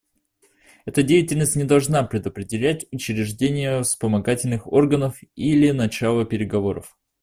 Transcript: Эта деятельность не должна предопределять учреждение вспомогательных органов или начало переговоров.